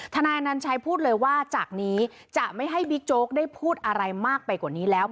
นายอนัญชัยพูดเลยว่าจากนี้จะไม่ให้บิ๊กโจ๊กได้พูดอะไรมากไปกว่านี้แล้ว